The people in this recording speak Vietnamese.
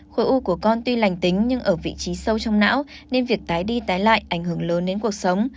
khối u của con tuy lành tính nhưng ở vị trí sâu trong não nên việc tái đi tái lại ảnh hưởng lớn đến cuộc sống